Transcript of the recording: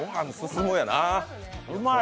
うまい！